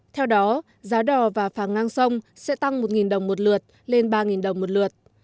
theo đó giá đò và phà ngang sông sẽ tăng một đồng một lượt lên ba đồng một lượt